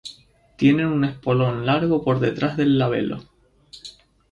Tienen un espolón largo por detrás del labelo.